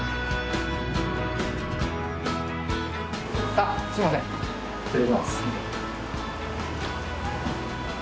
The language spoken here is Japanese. あっすいません失礼します。